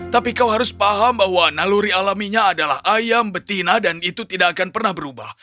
tapi kau harus paham bahwa naluri alaminya adalah ayam betina dan itu tidak akan pernah berubah